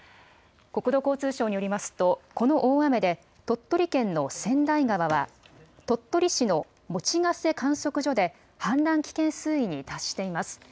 国土交通省によりますと、この大雨で、鳥取県の千代川は、鳥取市の用瀬観測所で、氾濫危険水位に達しています。